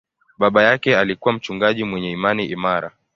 Baba yake alikuwa mchungaji mwenye imani imara.